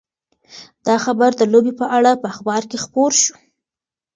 دا خبر د لوبې په اړه په اخبار کې خپور شو.